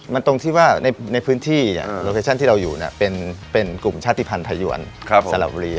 มันตรงที่ว่าในพื้นที่โลเคชั่นที่เราอยู่เป็นกลุ่มชาติภัณฑ์พยวนสลับบุรี